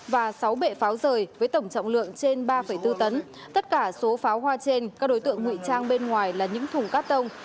và sáu bệ pháo rời với tổng trọng lượng trên ba bốn tấn tất cả số pháo hoa trên các đối tượng ngụy trang bên ngoài là những thùng cát tông